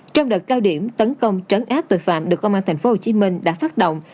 trong đợt cao điểm tấn công trấn áp tội phạm được công an tp hcm đã phát động